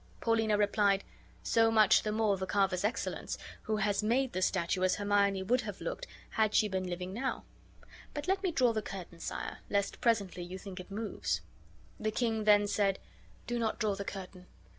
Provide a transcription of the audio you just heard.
Paulina replied: "So much the more the carver's excellence, who has made the statue as Hermione would have looked had she been living now. But let me draw the curtain, sire, lest presently you think it moves." The king then said: "Do not draw the curtain.